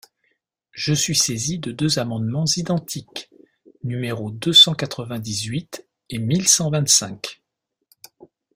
Je suis saisie de deux amendements identiques, numéros deux cent quatre-vingt-dix-huit et mille cent vingt-cinq.